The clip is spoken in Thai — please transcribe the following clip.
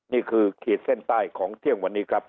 ขีดเส้นใต้ของเที่ยงวันนี้ครับ